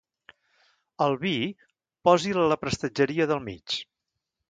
El vi, posi'l a la prestatgeria del mig.